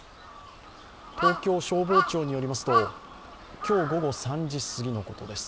東京消防庁によりますと、今日午後３時過ぎのことです。